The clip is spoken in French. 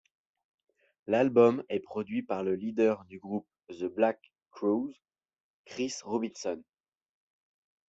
L'album est produit par le leader du groupe The Black Crowes, Chris Robinson.